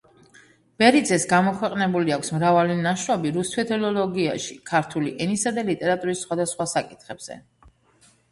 ბერიძეს გამოქვეყნებული აქვს მრავალი ნაშრომი რუსთველოლოგიაში, ქართული ენისა და ლიტერატურის სხვადასხვა საკითხებზე.